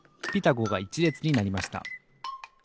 「ゴ」が１れつになりました。